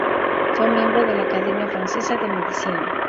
Fue miembro de la Academia Francesa de Medicina.